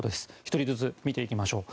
１人ずつ見ていきましょう。